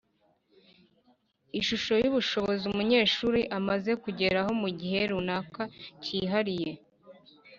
ishusho y’ubushobozi umunyeshuri amaze kugeraho mu gihe runaka kihariye